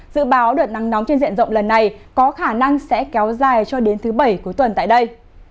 dự báo đợt nắng nóng trên diện rộng lần này có khả năng sẽ kéo dài cho đến thứ bảy cuối tuần tại đây